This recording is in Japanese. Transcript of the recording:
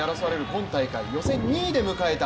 今大会、予選２位で迎えた